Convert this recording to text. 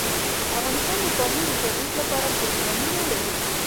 افغانستان د پامیر د ترویج لپاره پروګرامونه لري.